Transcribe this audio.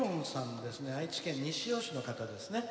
愛知県西尾市の方ですね。